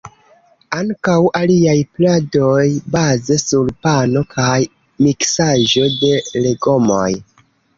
Ankaŭ aliaj pladoj baze sur pano kaj miksaĵo de legomoj.